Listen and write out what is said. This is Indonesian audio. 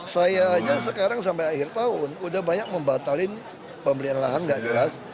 saya aja sekarang sampai akhir tahun udah banyak membatalkan pembelian lahan nggak jelas